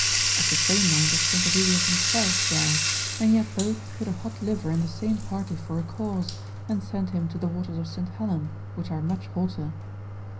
Of the same mind is Trincavelius himself there, and yet both put a hot liver in the same party for a cause, and send him to the waters of St. Helen, which are much hotter.